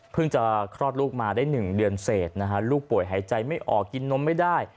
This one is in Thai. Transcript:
จะคลอดลูกมาได้๑เดือนเศษนะฮะลูกป่วยหายใจไม่ออกกินนมไม่ได้